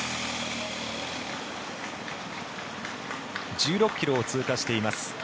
１６ｋｍを通過しています。